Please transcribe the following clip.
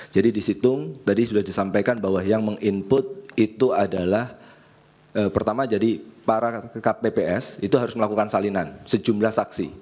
jadi di situng tadi sudah disampaikan bahwa yang meng input itu adalah pertama jadi para kpps itu harus melakukan salinan sejumlah saksi